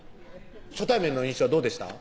初対面の印象はどうでした？